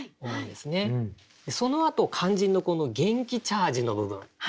そのあと肝心のこの「元気チャージ」の部分。